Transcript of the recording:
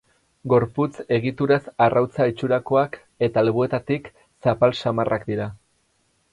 Gorputz egituraz arrautza itxurakoak eta alboetatik zapal samarrak dira.